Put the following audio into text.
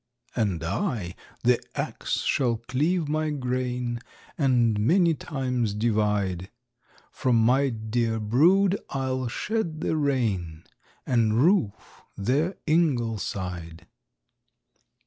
"And I the ax shall cleave my grain, And many times divide; From my dear brood I'll shed the rain, And roof their ingleside."